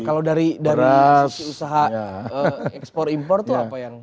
kalau dari sisi usaha ekspor impor itu apa yang